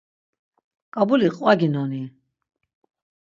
Ǩabuli qvaginoni?